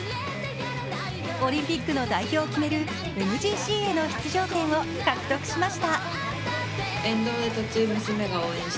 オリンピックの代表を決めるＭＧＣへの出場権を獲得しました。